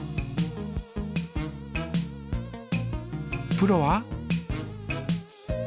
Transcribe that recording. プロは？